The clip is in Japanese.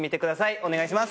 お願いします！